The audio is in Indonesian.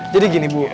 jadi gini bu